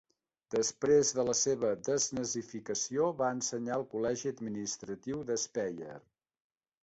Després de la seva desnazificació va ensenyar al col·legi administratiu de Speyer.